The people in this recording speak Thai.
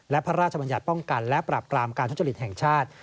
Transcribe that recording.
และพระราชบัญญัติป้องกันและปรับกรามการทุจริตแห่งชาติ